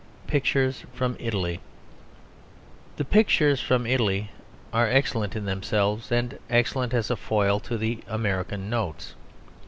PICTURES FROM ITALY The Pictures from Italy are excellent in themselves and excellent as a foil to the American Notes.